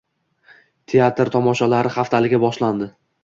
Teatr tomoshalari haftaligi boshlandi